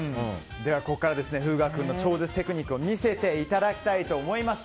ここから風雅君の超絶テクニックを見せていただきたいと思います。